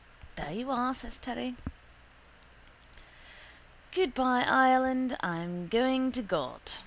—There you are, says Terry. Goodbye Ireland I'm going to Gort.